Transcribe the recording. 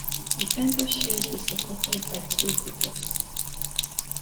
The centre shield is supported by two zebras.